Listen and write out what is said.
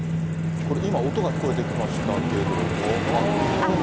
これ、今、音が聞こえてきました。